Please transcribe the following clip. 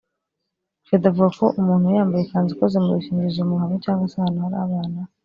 Freddy avuga ko umuntu yambaye ikanzu ikoze mu dukingirizo mu ruhame cyangwa se ahantu hari abana